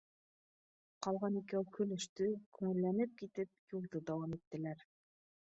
Ҡалған икәү көлөштө, күңелләнеп китеп, юлды дауам иттеләр